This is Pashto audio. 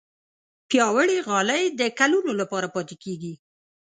پیاوړې غالۍ د کلونو لپاره پاتې کېږي.